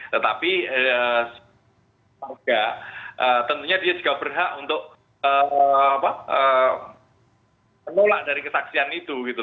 tetapi tentunya dia juga berhak untuk menolak dari ketaksian itu